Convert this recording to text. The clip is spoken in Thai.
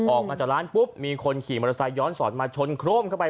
ออกมาจากร้านปุ๊บมีคนขี่มอเตอร์ไซคย้อนสอนมาชนโครมเข้าไป